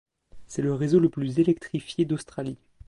C'est le réseau le plus électrifié d'Australie.